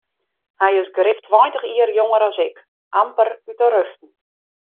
Hy is grif tweintich jier jonger as ik, amper út de ruften.